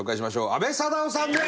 阿部サダヲさんです！